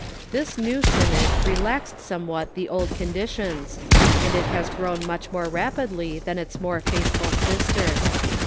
This new Synod relaxed somewhat the old condi tions, and it has grown much more rapidly than its more faithful sister.